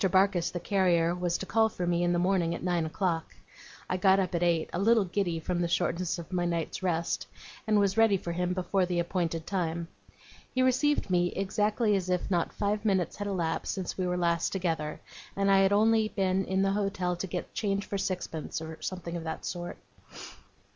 Barkis the carrier was to call for me in the morning at nine o'clock. I got up at eight, a little giddy from the shortness of my night's rest, and was ready for him before the appointed time. He received me exactly as if not five minutes had elapsed since we were last together, and I had only been into the hotel to get change for sixpence, or something of that sort.